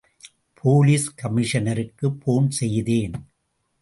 Police கமிஷனருக்கு phone செய்தேன்.